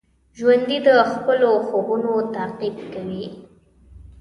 ژوندي د خپلو خوبونو تعقیب کوي